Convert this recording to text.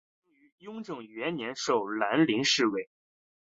傅清于雍正元年授蓝翎侍卫。